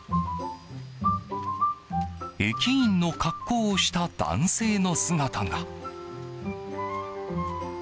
駅員の格好をした男性の姿が。